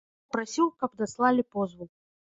Я папрасіў, каб даслалі позву.